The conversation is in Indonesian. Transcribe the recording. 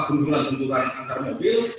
benturan benturan antar mobil